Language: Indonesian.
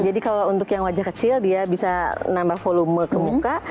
jadi kalau untuk yang wajah kecil dia bisa nambah volume ke muka